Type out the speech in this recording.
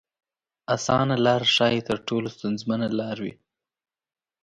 اسانه لار ښايي تر ټولو ستونزمنه لار وي.